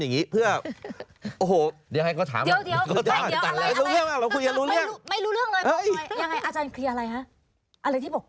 แล้วก็มีแผนที่เขตรักษาพันธุ์สัตว์ป่า